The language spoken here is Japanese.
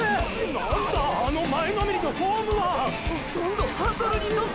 なんだあの前のめりのフォームは⁉ほとんどハンドルに乗ってる！！